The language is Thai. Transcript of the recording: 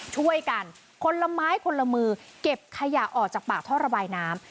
ช่วยกันคนละไม้คนละมือเก็บขยะออกจากป่าท่อระบายน้ำ